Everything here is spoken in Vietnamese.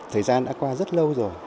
thời gian đã qua rất lâu rồi